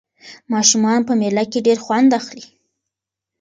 ماشومان په مېله کې ډېر خوند اخلي.